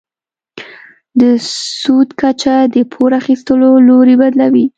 د سود کچه د پور اخیستلو لوری بدلوي.